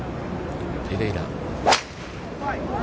ペレイラ。